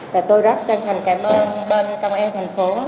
và tôi rất chân thành cảm ơn bên công an thành phố